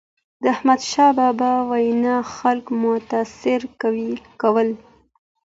د احمدشاه بابا وینا خلک متاثره کول.